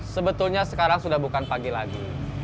sebetulnya sekarang sudah bukan pagi lagi